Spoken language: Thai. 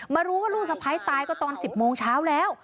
รู้ว่าลูกสะพ้ายตายก็ตอน๑๐โมงเช้าแล้ว